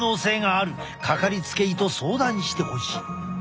掛かりつけ医と相談してほしい。